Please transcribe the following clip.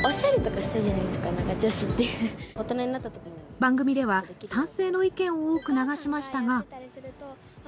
番組では賛成の意見を多く流しましたが。